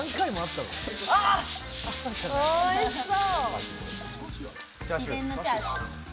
おいしそう！